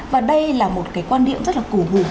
và đây là một cái quan điểm rất là củ vụ